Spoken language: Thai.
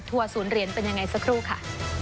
ถั่วสูญเลี้ยนเป็นยังไงสักครู่ค่ะ